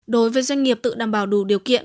đối với doanh nghiệp tự đảm bảo đủ điều kiện